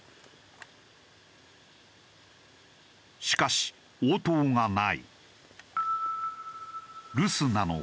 しかし応答がない。